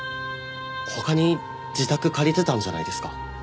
他に自宅借りてたんじゃないですか。